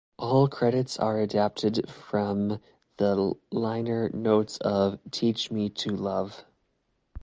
All credits are adapted from the liner notes of "Teach Me to Love".